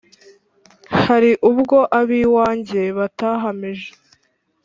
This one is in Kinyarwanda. Hari ubwo ab iwanjye batahamije